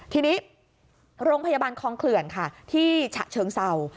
ทีนี้โรงพยาบาลคลองเขื่อนค่ะที่ฉะเชิงเศร้า